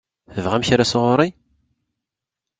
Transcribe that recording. Tebɣam kra sɣur-i?